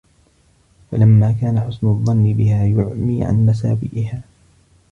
فَلَمَّا كَانَ حُسْنُ الظَّنِّ بِهَا يُعْمِي عَنْ مَسَاوِئِهَا